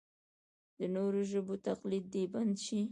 د نورو ژبو تقلید دې بند شي.